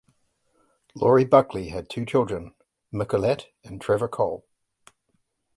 Laurie Buckley had two children, Micholette and Trevor Cole.